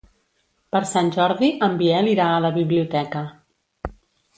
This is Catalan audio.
Per Sant Jordi en Biel irà a la biblioteca.